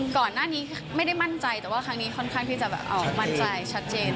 ก่อนหน้านี้ไม่ได้มั่นใจแต่ว่าครั้งนี้ค่อนข้างที่จะแบบมั่นใจชัดเจน